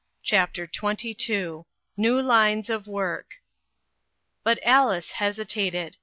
CHAPTER XXII. NEW LINES OF WORK. BUT Alice hesitated.